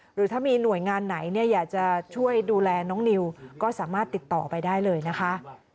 หรือถ้ามีหน่วยงานไหนอยากจะช่วยดูแลน้องนิวก็สามารถติดต่อไปได้เลยนะคะ